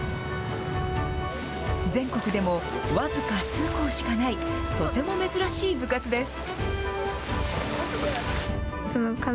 全国でも僅か数校しかない、とても珍しい部活です。